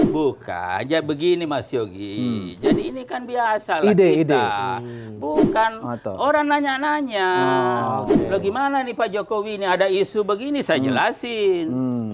buka aja begini mas yogi jadi ini kan biasa lah kita bukan orang nanya nanya bagaimana nih pak jokowi ini ada isu begini saya jelasin